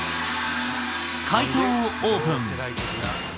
解答をオープン。